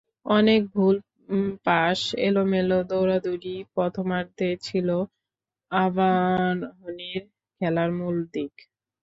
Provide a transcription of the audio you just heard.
অনেক ভুল পাস, এলোমেলো দৌড়াদৌড়িই প্রথমার্ধে ছিল আবাহনীর খেলার মূল দিক।